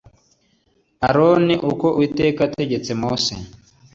aroni uko uwiteka yategetse mose